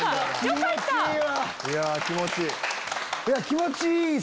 いや気持ちいい！